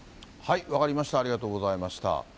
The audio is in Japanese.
分かりました、ありがとうございました。